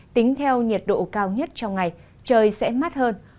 tính theo nhiệt độ cao nhất trong ngày trời sẽ mát hơn